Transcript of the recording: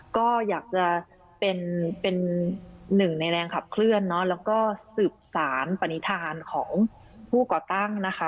ก็อยากจะเป็นหนึ่งในแรงขับเคลื่อนเนอะแล้วก็สืบสารปนิษฐานของผู้ก่อตั้งนะคะ